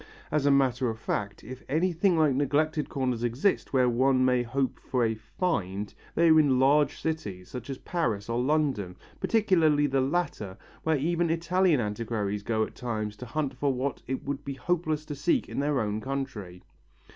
As a matter of fact if anything like neglected corners exist where one may hope for a "find," they are in large cities, such as Paris or London, particularly the latter, where even Italian antiquaries go at times to hunt for what it would be hopeless to seek in their own country.